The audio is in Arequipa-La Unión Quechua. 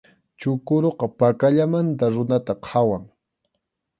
Chukuruqa pakallamanta runata qhawan.